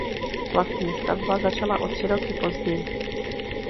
Vlastní stavba začala o tři roky později.